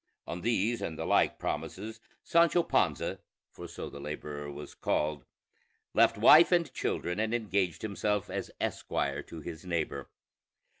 On these and the like promises Sancho Panza (for so the laborer was called) left wife and children, and engaged himself as esquire to his neighbor.